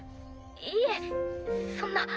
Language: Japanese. いえそんな。